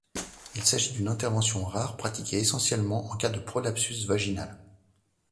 Il s'agit d'une intervention rare pratiquée essentiellement en cas de prolapsus vaginal.